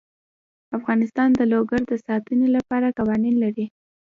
افغانستان د لوگر د ساتنې لپاره قوانین لري.